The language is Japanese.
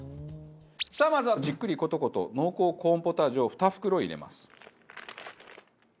さあまずはじっくりコトコト濃厚コーンポタージュを２袋入れます。